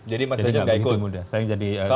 jadi mas derajat nggak ikut